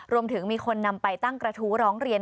รวมถึงมีคนนำไปตั้งกระทู้ร้องเรียน